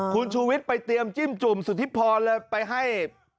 คุณชูวิทย์ไปเตรียมจิ้มจุ่มสุธิพรเลยไปให้